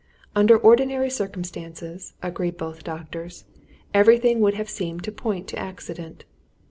Under ordinary circumstances, agreed both doctors, everything would have seemed to point to accident.